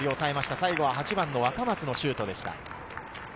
最後は若松のシュートでした。